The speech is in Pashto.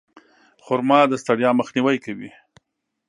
خرما د ستړیا مخنیوی کوي.